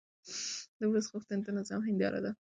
د ولس غوښتنې د نظام هنداره ده